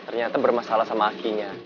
ternyata bermasalah sama akinya